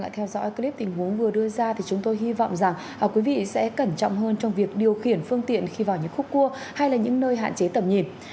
theo dõi clip tình huống vừa đưa ra thì chúng tôi hy vọng rằng quý vị sẽ cẩn trọng hơn trong việc điều khiển phương tiện khi vào những khúc cua hay là những nơi hạn chế tầm nhìn